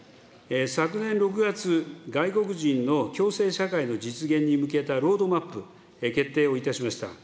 昨年６月、外国人の共生社会の実現に向けたロードマップ、決定をいたしました。